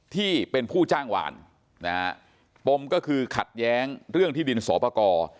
ที่เป็นผู้จ้างหวานนะฮะปมก็คือขัดแย้งเรื่องที่ดินสอปกร